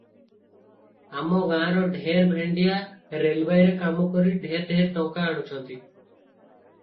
ଆମ ଗାଁର ଢେର ଭେଣ୍ଡିଆ ରେଲବାଇରେ କାମ କରି ଢେର ଢେର ଟଙ୍କା ଆଣୁଛନ୍ତି ।